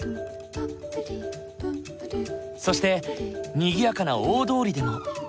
そしてにぎやかな大通りでも。